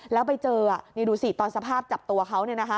แล้วไปเจอนี่ดูสิตอนสภาพจับตัวเขา